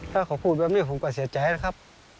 ถ้าเขาพูดแบบนี้ผมก็เสียใจนะครับ